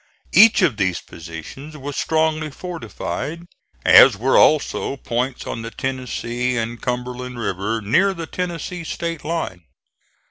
Each of these positions was strongly fortified, as were also points on the Tennessee and Cumberland rivers near the Tennessee state line.